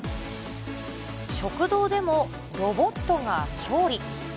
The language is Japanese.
食堂でもロボットが調理。